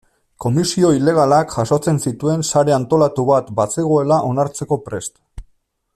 Komisio ilegalak jasotzen zituen sare antolatu bat bazegoela onartzeko prest.